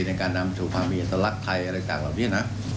ในการนำถูกความมีอันตรัสไทยอะไรจากเหล่านี้นะ